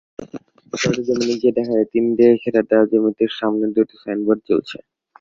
সরেজমিনে গিয়ে দেখা যায়, টিন দিয়ে ঘেরা দেওয়া জমিটির সামনে দুটি সাইনবোর্ড ঝুলছে।